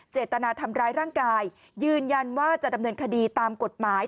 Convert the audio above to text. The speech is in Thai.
เจตนาทำร้ายร่างกายยืนยันว่าจะดำเนินคดีตามกฎหมาย